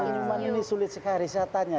cuman ini sulit sekali saya tanya